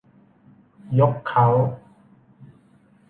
ยกเค้า